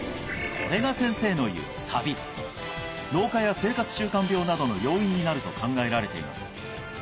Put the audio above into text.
これが先生の言うサビ老化や生活習慣病などの要因になると考えられています